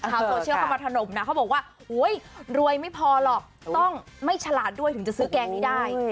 ชาวโซเชียลเข้ามาถนมนะเขาบอกว่ารวยไม่พอหรอกต้องไม่ฉลาดด้วยถึงจะซื้อแกงนี้ได้